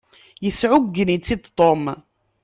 Yesεuggen-itt-id Tom.